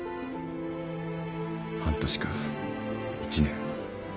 半年か１年。